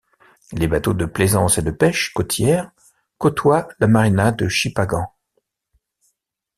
Les bateaux de plaisance et de pêche côtière côtoie la Marina de Shippagan.